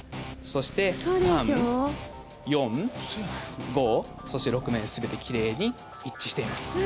そして３４５そして６面全てきれいに一致しています。